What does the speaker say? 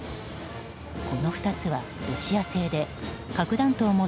この２つは、ロシア製で核弾頭も